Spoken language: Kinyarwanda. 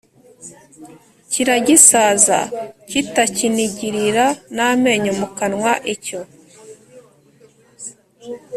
kiragisaza kitakinigirira namenyo mukanwa icyo